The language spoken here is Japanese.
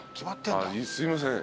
あっすいません。